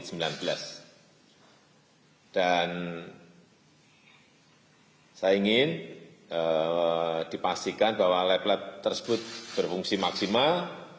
saya ingin dipastikan bahwa lab lab tersebut berfungsi maksimal